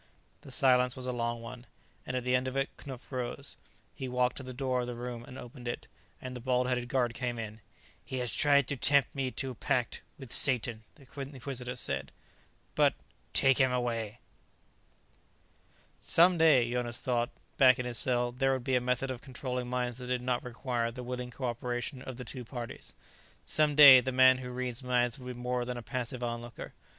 The silence was a long one, and at the end of it Knupf rose. He walked to the door of the room and opened it, and the bald headed guard came in. "He has tried to tempt me to pact with Satan," the Inquisitor said. "But " "Take him away." Some day, Jonas thought, back in his cell, there would be a method of controlling minds that did not require the willing co operation of the two parties. Some day the man who reads minds would be more than a passive onlooker.